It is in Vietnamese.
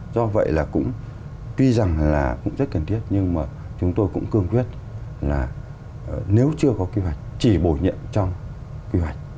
do vậy là cũng tuy rằng là cũng rất cần thiết nhưng mà chúng tôi cũng cương quyết là nếu chưa có kế hoạch chỉ bổ nhiệm trong quy hoạch